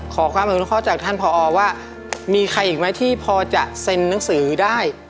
ขอความอนุเคราะห์จากท่านผอว่ามีใครอีกไหมที่พอจะเซ็นหนังสือได้